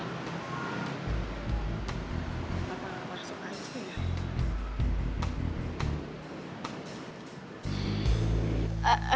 tante aku mau masuk aja